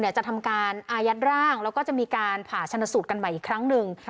จะทำการอายัดร่างแล้วก็จะมีการผ่าชนสูตรกันใหม่อีกครั้งหนึ่ง